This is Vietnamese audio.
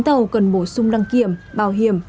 chín tàu cần bổ sung đăng kiểm bảo hiểm